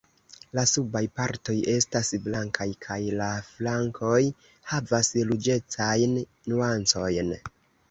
La subaj partoj estas blankaj kaj la flankoj havas ruĝecajn nuancojn.